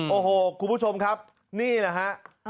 โอ้โหคุณผู้ชมครับนี่แหละฮะ